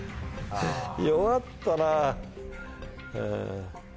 弱ったな。